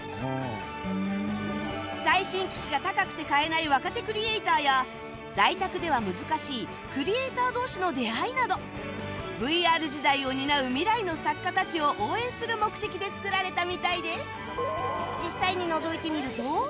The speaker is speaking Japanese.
最新機器が高くて買えない若手クリエイターや在宅では難しいクリエイター同士の出会いなど ＶＲ 時代を担う未来の作家たちを応援する目的で作られたみたいです